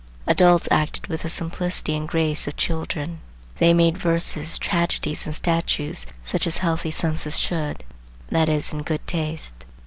Adults acted with the simplicity and grace of children. They made vases, tragedies, and statues, such as healthy senses should,—that is, in good taste.